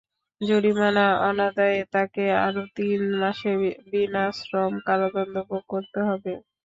জরিমানা অনাদায়ে তাঁকে আরও তিন মাসের বিনাশ্রম কারাদণ্ড ভোগ করতে হবে।